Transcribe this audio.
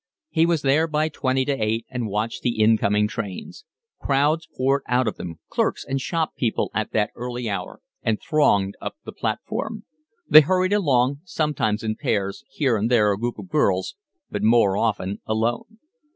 He was there by twenty to eight and watched the incoming trains. Crowds poured out of them, clerks and shop people at that early hour, and thronged up the platform: they hurried along, sometimes in pairs, here and there a group of girls, but more often alone.